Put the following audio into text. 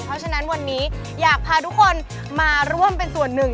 เพราะฉะนั้นวันนี้อยากพาทุกคนมาร่วมเป็นส่วนหนึ่ง